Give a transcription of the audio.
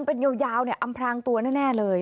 เป็นยาวอำพลางตัวแน่เลย